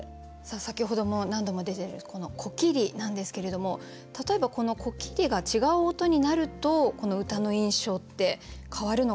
先ほども何度も出てるこの「こきり」なんですけれども例えばこの「こきり」が違う音になるとこの歌の印象って変わるのかなと思うんですが。